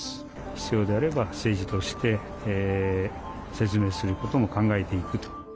必要であれば政治として説明することも考えていくと。